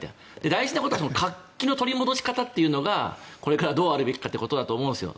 大事なのは活気の取り戻し方がこれからどうありべきかということだと思うんですよ。